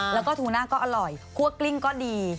แล้วก็ทูน่าก็อร่อยคั่วกลิ้งก็ดี